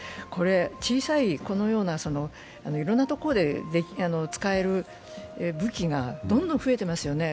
小さいこのようないろんなところで使える武器がどんどん増えてますよね。